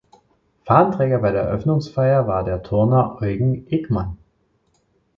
Fahnenträger bei der Eröffnungsfeier war der Turner Eugen Ekman.